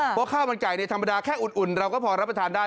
เพราะข้าวมันไก่ธรรมดาแค่อุ่นเราก็พอรับประทานได้